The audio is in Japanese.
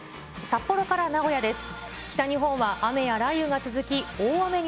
札幌から名古屋です。